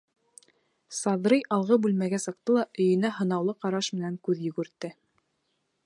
Саҙрый алғы бүлмәгә сыҡты ла өйөнә һынаулы ҡараш менән күҙ йүгертте.